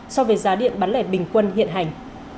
so với giá điện bán lẻ bình quân hiện hành